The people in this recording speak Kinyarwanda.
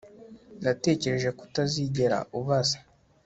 Natekereje ko utazigera ubaza